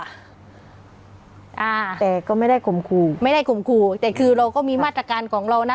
อ่าแต่ก็ไม่ได้ข่มขู่ไม่ได้ข่มขู่แต่คือเราก็มีมาตรการของเรานะ